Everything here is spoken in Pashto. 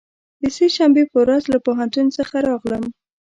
د سه شنبې په ورځ له پوهنتون څخه راغلم.